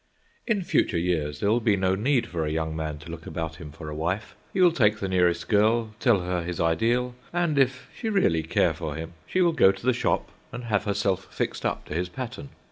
In future years there will be no need for a young man to look about him for a wife; he will take the nearest girl, tell her his ideal, and, if she really care for him, she will go to the shop and have herself fixed up to his pattern.